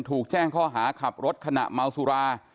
ถูกแจ้งข้อหาขับรถขณะเมาสุรา